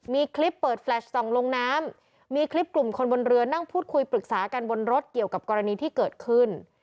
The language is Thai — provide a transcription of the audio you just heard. มีคลิปเปิดแฟลชส่องลงน้ำมีคลิปกลุ่มคนบนเรือนั่งพูดคุยปรึกษากันบนรถเกี่ยวกับกรณีที่เกิดขึ้น